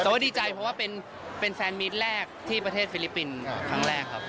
แต่ว่าดีใจเพราะว่าเป็นแซนมิตรแรกที่ประเทศฟิลิปปินส์ครั้งแรกครับ